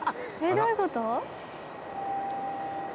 どういうこと？